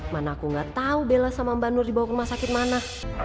mana aku nggak tahu bella sama mbak nur dibawa ke rumah sakit mana